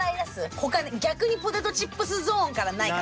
他に逆にポテトチップスゾーンからないかな。